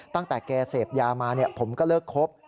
ตั้งแต่แกเสพยามาผมก็เลิกครบ